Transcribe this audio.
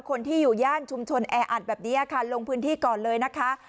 คนที่อยู่ย่านชุมชนแออัดแบบนี้ค่ะลงพื้นที่ก่อนเลยนะคะ